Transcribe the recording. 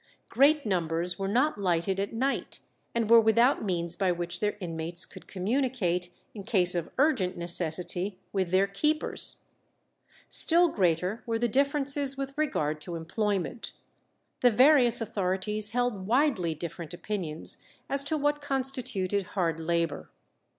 Great numbers were not lighted at night, and were without means by which their inmates could communicate, in case of urgent necessity, with their keepers. Still greater were the differences with regard to employment. The various authorities held widely different opinions as to what constituted hard labour.